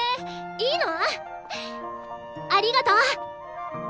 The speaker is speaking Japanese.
いいの？ありがと！